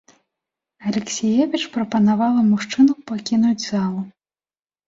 Алексіевіч прапанавала мужчыну пакінуць залу.